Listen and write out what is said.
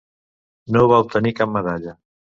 No va obtenir cap medalla.